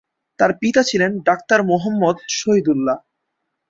তার পিতা ছিলেন ডাক্তার মুহম্মদ শহীদুল্লাহ।